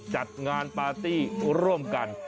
จัดงานปาร์ตี้ร่วมกัน